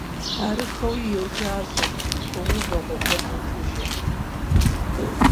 Арыххэуи йожажьэ, тоувэ гъуэгуанэ жыжьэ.